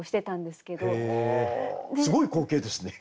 すごい光景ですね。